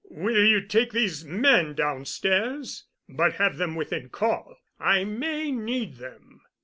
Will you take these men downstairs? But have them within call—I may need them.